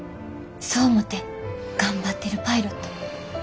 そう思って頑張ってるパイロット。